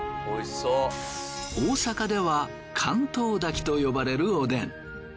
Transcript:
大阪では関東煮と呼ばれるおでん。